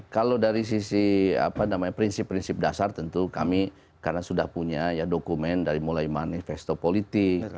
kalau dari sisi prinsip prinsip dasar tentu kami karena sudah punya dokumen dari mulai manifesto politik